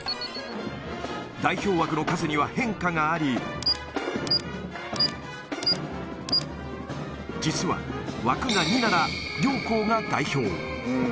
代表枠の数には変化があり、実は、枠が２なら、両校が代表。